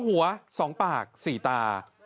หัว๒ปาก๔ตา